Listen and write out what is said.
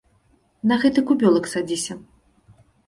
На гэты кубёлак садзіся.